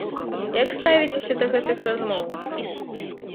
Як ставіцеся да гэтых размоў?